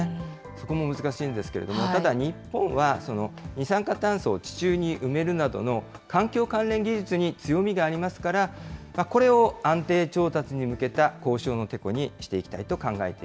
そこも難しいんですけれども、ただ日本は、二酸化炭素を地中に埋めるなどの環境関連技術に強みがありますから、これを安定調達に向けた交渉のてこにしていきたい